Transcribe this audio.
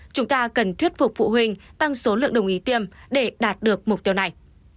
chúng ta cần thuyết phục phụ huynh tăng số lượng đồng ý tiêm để đạt được mục tiêu này